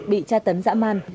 bị tra tấn dã man